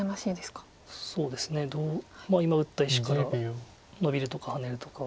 今打った石からノビるとかハネるとか。